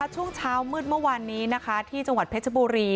ช่วงเมื่อไมค์เมื่อวานที่จังหวัดเพชรบุรี